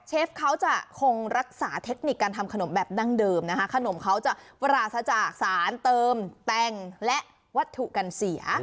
เชฟเขาจะคงรักษาเทคนิคการทำขนมแบบดั้งเดิมนะคะขนมเขาจะปราศจากสารเติมแต่งและวัตถุกันเสีย